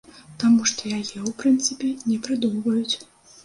Таму што яе ў прынцыпе не прыдумваюць.